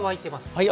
はい。